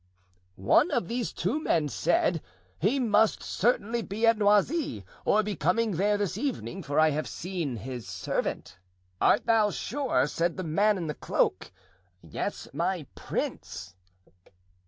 "One of these two men said, 'He must certainly be at Noisy, or be coming there this evening, for I have seen his servant.' "'Art thou sure?' said the man in the cloak. "'Yes, my prince.